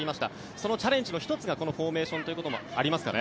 そのチャレンジの１つがこのフォーメーションということもありますかね。